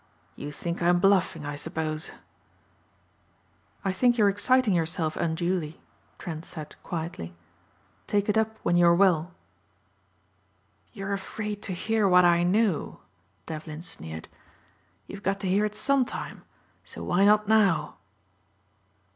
You think I'm bluffing I suppose." "I think you're exciting yourself unduly," Trent said quietly. "Take it up when you are well." "You're afraid to hear what I know," Devlin sneered. "You've got to hear it sometime, so why not now?"